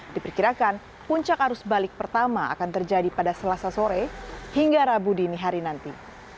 diperkirakan puncak arus balik pertama akan terjadi pada selasa sore hingga rabu dini hari nanti